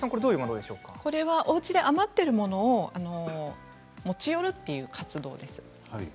これはおうちで余っているものを持ち寄るという活動です。